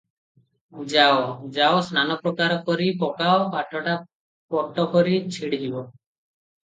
ଯାଅ - ଯାଅ ସ୍ନାନପ୍ରକାର କରି ପକାଅ ପାଠଟା ପଟକରି ଛିଡ଼ିଯିବ ।"